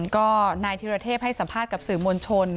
ก็นายธิรเทพให้สัมภาษณ์กับสื่อมวลชน